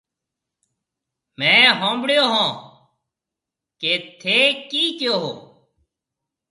ميه هونبڙون هون ڪيَ ٿَي ڪِي ڪَيو هون۔